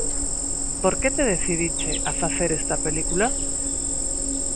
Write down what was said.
Por que te decidiches a facer esta película?